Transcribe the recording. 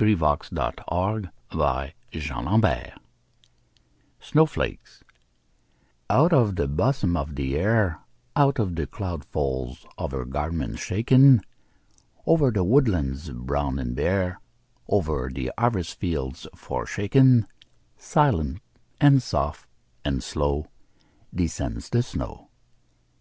Henry Wadsworth Longfellow Snow Flakes OUT of the bosom of the Air Out of the cloud folds of her garments shaken, Over the woodlands brown and bare, Over the harvest fields forsaken, Silent, and soft, and slow Descends the snow.